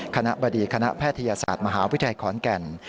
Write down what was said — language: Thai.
คณะบดีคณะแพทยศาสตร์มหาวิทยาลัยขอนแก่น